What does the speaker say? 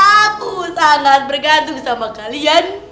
aku sangat bergantung sama kalian